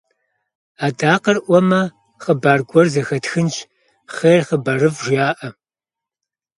Адакъэр ӏуэмэ, хъыбар гуэр зэхэтхынущ, «хъер, хъыбарыфӏ» жаӏэ.